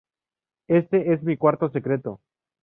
Este es mi cuarto secreto.